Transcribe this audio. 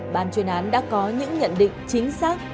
ban chuyên án đã có những nhận định chính xác